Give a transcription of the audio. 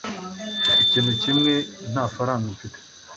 Ikintu kimwe nta faranga mfite